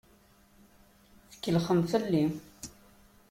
Tkellxem fell-i.